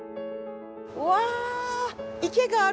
うわ池がある！